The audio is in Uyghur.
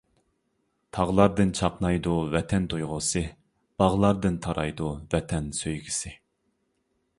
تاغلاردىن چاقنايدۇ ۋەتەن تۇيغۇسى، باغلاردىن تارايدۇ ۋەتەن سۆيگۈسى.